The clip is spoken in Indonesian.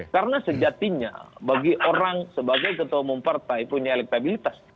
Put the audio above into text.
karena sejatinya bagi orang sebagai ketua mempartai punya elektabilitas